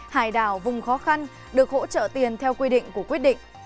hải đảo vùng khó khăn được hỗ trợ tiền theo quy định của quyết định